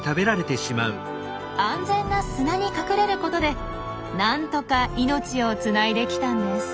安全な砂に隠れることでなんとか命をつないできたんです。